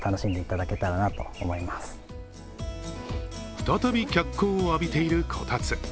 再び脚光を浴びているこたつ。